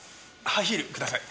ハイヒールください。